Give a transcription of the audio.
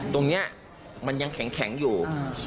ตรงนี้มันยังแข็งอยู่